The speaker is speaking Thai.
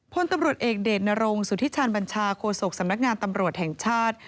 พลตำรวจเอกเดชนรงสุธิชาญบัญชาโคศกสำนักงานตำรวจแห่งชาติ